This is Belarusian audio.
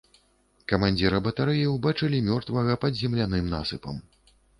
Камандзіра батарэі ўбачылі мёртвага пад земляным насыпам.